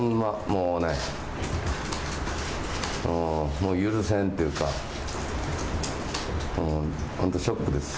もうね許せんていうか本当、ショックです。